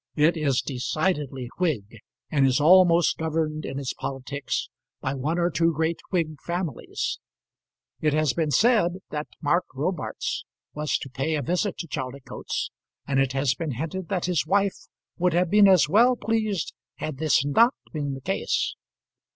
It is decidedly Whig, and is almost governed in its politics by one or two great Whig families. It has been said that Mark Robarts was about to pay a visit to Chaldicotes, and it has been hinted that his wife would have been as well pleased had this not been the case.